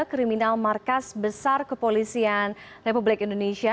kriminal markas besar kepolisian republik indonesia